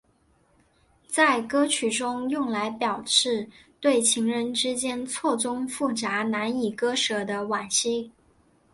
在歌曲中用来表示对情人之间错综复杂难以割舍的惋惜。